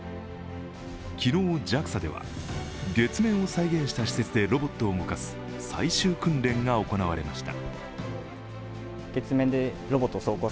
昨日、ＪＡＸＡでは月面を再現した施設でロボットを動かす最終訓練が行われました。